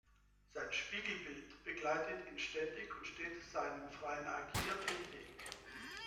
Sein Spiegelbild begleitet ihn ständig und steht seinem freien Agieren im Weg.